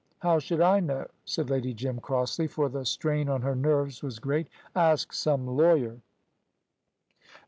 "How should I know?" said Lady Jim, crossly, for the strain on her nerves was great. "Ask some lawyer."